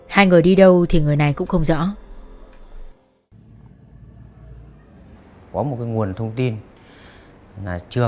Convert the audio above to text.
hai người đi đâu thì người này cũng không rõ